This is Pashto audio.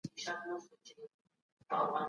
د آزادۍ بیه لوړه ده.